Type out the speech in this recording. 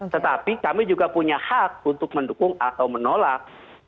tetapi kami juga punya hak untuk mendukung atau menolak